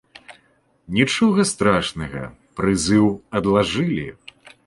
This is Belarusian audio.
Нічога страшнага, прызыў адлажылі.